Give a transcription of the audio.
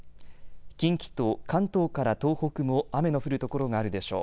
近畿と関東から東北も雨の降る所があるでしょう。